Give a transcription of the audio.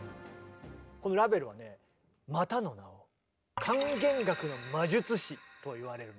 このラヴェルはねまたの名を「管弦楽の魔術師」といわれるんですね。